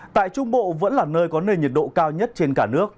tại trung bộ vẫn là nơi có nơi nhiệt độ cao nhất trên cả nước